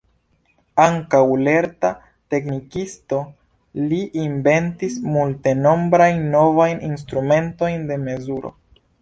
Ankaŭ lerta teknikisto, li inventis multenombrajn novajn instrumentojn de mezuro.